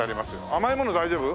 甘いもの大丈夫？